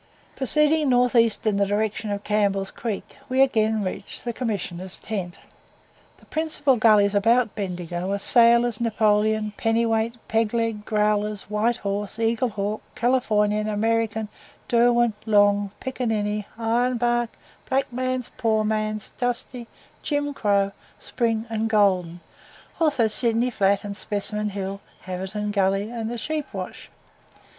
Proceeding north east in the direction of Campbell's Creek, we again reach the Commissioners' tent. The principal gullies about Bendigo are Sailors's, Napoleon, Pennyweight, Peg Leg, Growler's, White Horse, Eagle Hawk, Californian, American, Derwent, Long, Picaninny, Iron Bark, Black Man's, Poor Man's, Dusty, Jim Crow, Spring, and Golden also Sydney Flat, and Specimen Hill Haverton Gully, and the Sheep wash.